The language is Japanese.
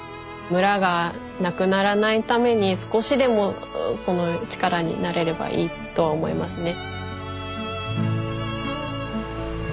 村がなくならないために少しでもその力になれればいいと思いますね。